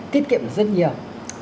tiết kiệm rất nhiều